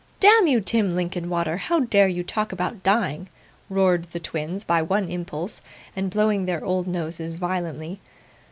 'Damn you, Tim Linkinwater, how dare you talk about dying?' roared the twins by one impulse, and blowing their old noses violently.